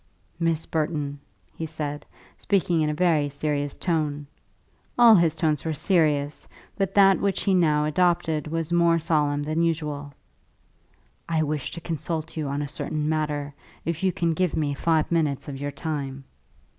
"Miss Burton," he said, speaking in a very serious tone . All his tones were serious, but that which he now adopted was more solemn than usual. "I wish to consult you on a certain matter, if you can give me five minutes of your time."